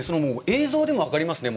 映像でも分かりますね。